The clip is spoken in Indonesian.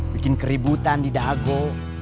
bikin keributan di dago